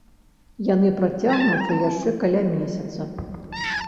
Яны працягнуцца яшчэ каля месяца.